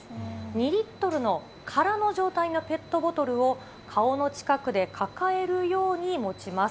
２リットルの空の状態のペットボトルを顔の近くで抱えるように持ちます。